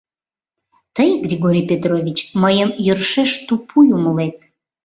— Тый, Григорий Петрович, мыйым йӧршеш тупуй умылет...